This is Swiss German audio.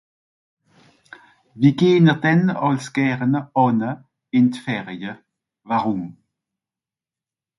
Ou aimez vous aller en vacances Pourquoi